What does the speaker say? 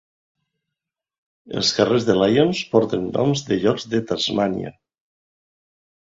Els carrers de Lyons porten noms de llocs de Tasmània.